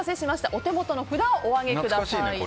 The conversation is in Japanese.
お手元の札をお上げください。